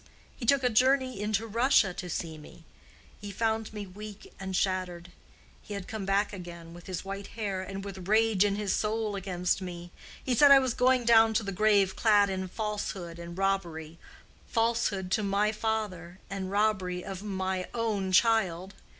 He took a journey into Russia to see me; he found me weak and shattered. He had come back again, with his white hair, and with rage in his soul against me. He said I was going down to the grave clad in falsehood and robbery—falsehood to my father and robbery of my own child.